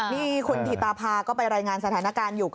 นี่คุณธิตาพาก็ไปรายงานสถานการณ์อยู่